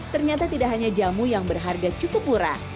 ternyata tidak hanya jamu yang berharga cukup murah